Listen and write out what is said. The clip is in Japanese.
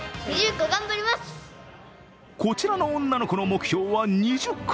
こちらの女の子の目標は２０個。